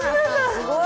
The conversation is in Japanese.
すごいね。